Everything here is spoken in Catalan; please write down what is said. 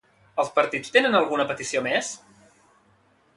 Els partits tenen alguna petició més?